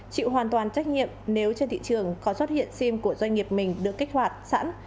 chịu hoàn toàn trách nhiệm nếu trên thị trường có xuất hiện sim của doanh nghiệp mình được kích hoạt sẵn